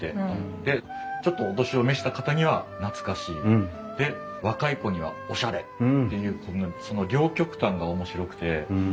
でちょっとお年を召した方には懐かしいで若い子にはおしゃれっていうその両極端が面白くて。